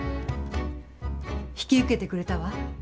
引き受けてくれたわ。